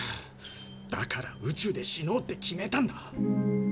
だから宇宙で死のうって決めたんだ。